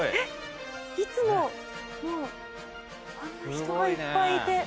いつももうあんな人がいっぱいいて。